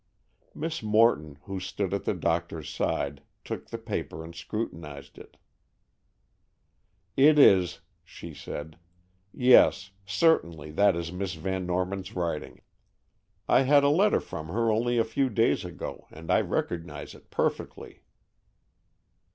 Miss Morton, who stood at the doctor's side, took the paper and scrutinized it. "It is," she said. "Yes, certainly that is Miss Van Norman's writing. I had a letter from her only a few days ago, and I recognize it perfectly."